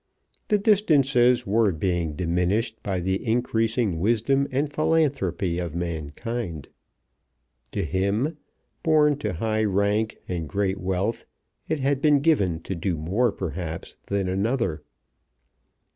The distances were being diminished by the increasing wisdom and philanthropy of mankind. To him, born to high rank and great wealth, it had been given to do more perhaps than another.